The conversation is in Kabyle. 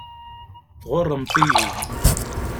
Tɣuṛṛemt-iyi.